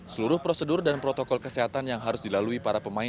seluruh prosedur dan protokol kesehatan yang harus dilalui para pemain